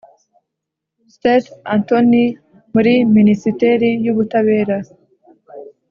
State Attorney muri Minisiteri y Ubutabera